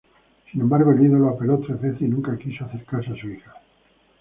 Sin embargo, el ídolo apeló trece veces y nunca quiso acercarse a su hija.